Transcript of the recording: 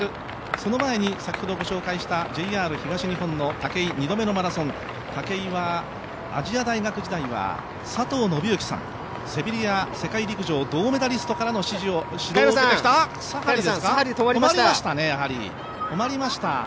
その前に先ほどご紹介したＪＲ東日本の竹井、２度目のマラソン、竹井は亜細亜大学時代は佐藤さん、世界陸上銅メダリストサハリ止まりました。